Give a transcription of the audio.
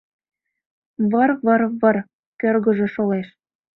Выр-выр-выр кӧргыжӧ шолеш.